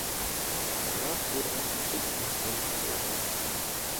Danach wurde er zum Kriegsdienst eingezogen.